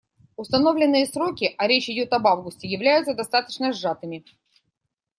Установленные сроки, а речь идет об августе, являются достаточно сжатыми.